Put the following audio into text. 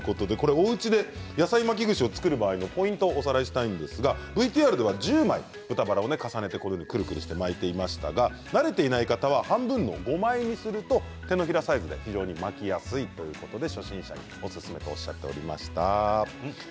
おうちで野菜串巻きを作る時のポイントですがＶＴＲでは１０枚豚バラを重ねてくるくる巻いていましたが慣れていない方は半分の５枚にすると手のひらサイズで非常に巻きやすいということで初心者におすすめとおっしゃっていました。